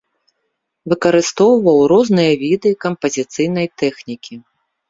Выкарыстоўваў розныя віды кампазіцыйнай тэхнікі.